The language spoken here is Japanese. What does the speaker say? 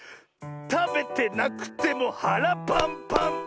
たべてなくてもはらパンパン！